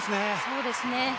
そうですね。